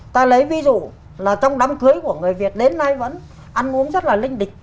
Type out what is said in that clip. ta lấy ví dụ là trong đám cưới của người việt đến nay vẫn ăn uống rất là linh địch